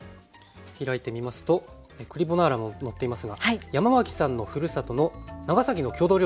開いてみますと栗ボナーラも載っていますが山脇さんのふるさとの長崎の郷土料理